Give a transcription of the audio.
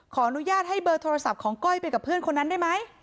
อนุญาตให้เบอร์โทรศัพท์ของก้อยไปกับเพื่อนคนนั้นได้ไหม